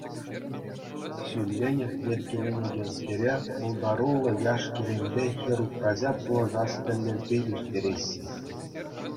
Ҫулленех йӗркеленекенскере пултаруллӑ яш-кӗрӗмпе хӗр-упраҫа пулӑшас тӗллевпе ирттереҫҫӗ.